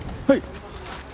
はい！